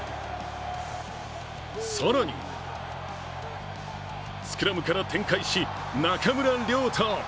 更にスクラムから展開し、中村亮土。